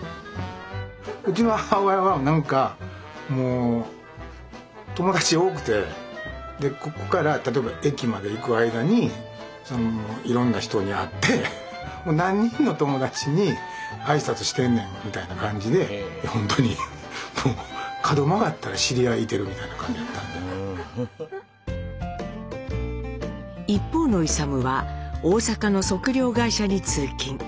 うちの母親は何かもう友達多くてここから例えば駅まで行く間にいろんな人に会って何人の友達に挨拶してんねんみたいな感じでほんとにもう一方の勇は大阪の測量会社に通勤。